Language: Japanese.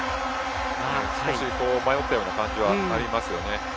少し迷ったような感じありますよね。